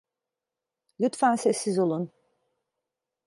Lütfen sessiz olun.